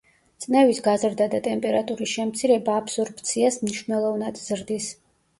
წნევის გაზრდა და ტემპერატურის შემცირება აბსორბციას მნიშვნელოვნად ზრდის.